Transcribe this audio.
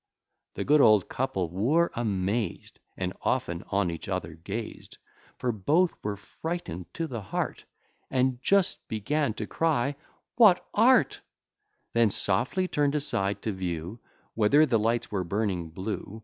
The good old couple were amaz'd, And often on each other gaz'd; For both were frighten'd to the heart, And just began to cry, "What art!" Then softly turn'd aside, to view Whether the lights were burning blue.